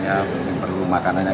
yang perlu makanannya